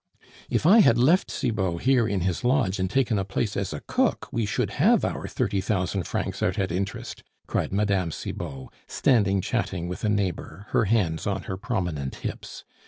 "If I had left Cibot here in his lodge and taken a place as cook, we should have our thirty thousand francs out at interest," cried Mme. Cibot, standing chatting with a neighbor, her hands on her prominent hips.